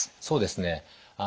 そうですね。